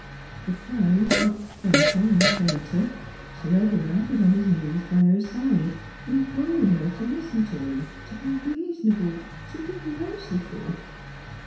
The cries got fainter and fainter. Sir Everard was on his knees by her side, imploring her to listen to him, to be reasonable, to be merciful.